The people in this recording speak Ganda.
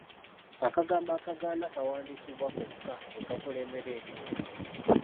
Akagambo akagaana kawandiikibwa kokka bwe kakulembera erinnya.